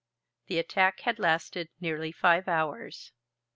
The attack had lasted nearly five hours.